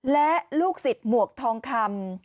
และลูกศิษย์หมวกทองคำ